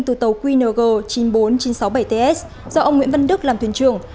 từ tàu qng chín mươi bốn nghìn chín trăm sáu mươi bảy ts do ông nguyễn văn đức làm thuyền trưởng